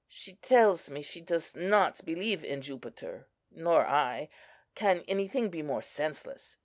She tells me she does not believe in Jupiter, nor I; can anything be more senseless?